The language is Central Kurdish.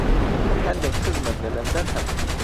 هەندێک خزمم لە لەندەن هەن.